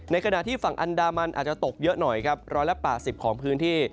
ในขณะที่ฝั่งอันดามันอาจจะตกเยอะหน่อยรอยและป้า๑๐ของพื้นที่